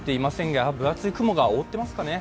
分厚い雲が覆っていますかね。